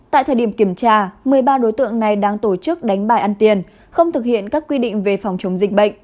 tại thời điểm kiểm tra một mươi ba đối tượng này đang tổ chức đánh bài ăn tiền không thực hiện các quy định về phòng chống dịch bệnh